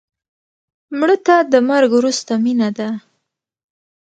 مړه ته د مرګ وروسته مینه ده